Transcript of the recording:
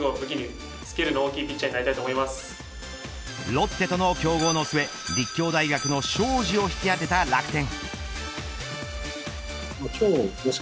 ロッテとの競合の末立教大学の荘司を引き当てた楽天。